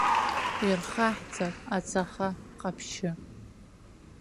Ирхаҳҵап ацаха ҟаԥшьы.